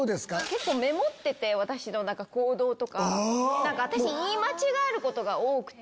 結構メモってて私の行動とか。私言い間違えることが多くて。